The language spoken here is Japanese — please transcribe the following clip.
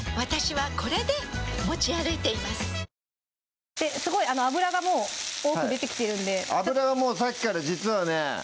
ちょっとすごい脂がもう多く出てきているんで脂がもうさっきから実はね